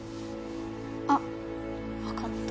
あっ分かった。